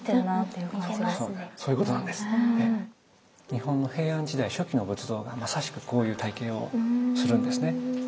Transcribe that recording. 日本の平安時代初期の仏像がまさしくこういう体型をするんですね。